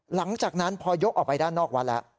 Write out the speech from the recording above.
หลังจากนั้นพอยกออกไปด้านนอกวัดแล้ว